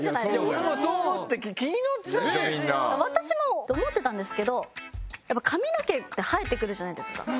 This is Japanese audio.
私もと思ってたんですけどやっぱ髪の毛って生えてくるじゃないですか。